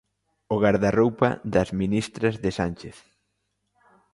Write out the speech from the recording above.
O gardarroupa das ministras de Sánchez.